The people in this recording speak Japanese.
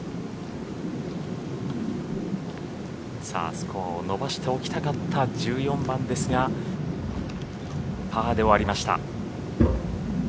スコアを伸ばしておきたかった１４番ですがパーで終わりました。